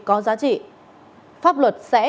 có giá trị pháp luật sẽ